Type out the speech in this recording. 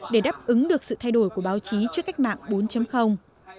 để đáp ứng được sự thay đổi của báo chí trước cách mạng bốn